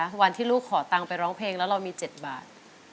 ครั้งนี้เปล่าที่ลูกขอตังไปร้องเพลงแล้วเรามี๗บาท